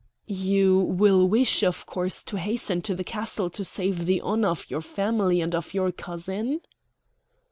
"You will wish, of course, to hasten to the castle to save the honor of your family and of your cousin?"